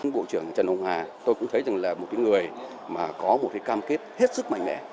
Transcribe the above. bộ trưởng trần hồng hà tôi cũng thấy rằng là một người mà có một cái cam kết hết sức mạnh mẽ